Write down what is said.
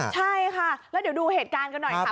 ใช่ค่ะแล้วเดี๋ยวดูเหตุการณ์กันหน่อยค่ะ